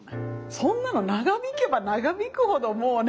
そんなの長引けば長引くほどもうね。